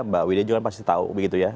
mbak widya juga kan pasti tahu begitu ya